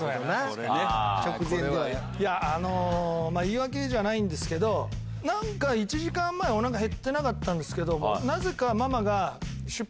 いやあの言い訳じゃないんですけど１時間前おなかへってなかったんですけどなぜか。